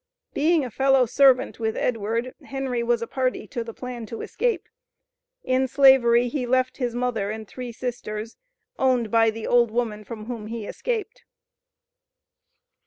Being a fellow servant with Edward, Henry was a party to the plan of escape. In slavery he left his mother and three sisters, owned by the "old woman" from whom he escaped.